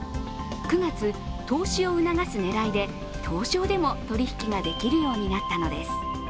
９月、投資を促す狙いで東証でも取引ができるようになったのです。